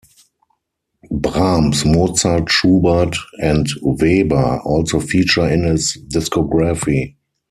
Brahms, Mozart, Schubert and Weber also feature in his discography.